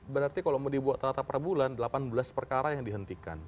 berarti kalau mau dibuat rata rata per bulan delapan belas perkara yang dihentikan